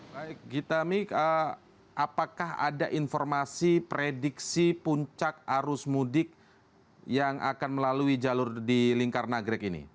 baik gita mik apakah ada informasi prediksi puncak arus mudik yang akan melalui jalur di lingkar nagrek ini